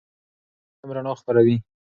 علم رڼا خپروي.